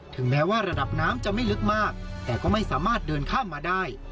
แม้ว่าระดับน้ำจะไม่ลึกมากแต่ก็ไม่สามารถเดินข้ามมาได้